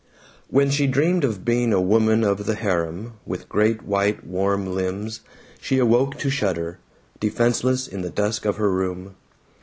When she dreamed of being a woman of the harem, with great white warm limbs, she awoke to shudder, defenseless in the dusk of her room.